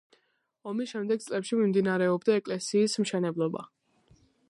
ომის შემდეგ წლებში მიმდინარეობდა ეკლესიის მშენებლობა.